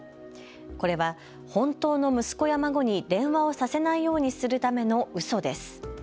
これは本当の息子や孫に電話をさせないようにするためのうそです。